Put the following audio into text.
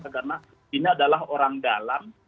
karena ini adalah orang dalam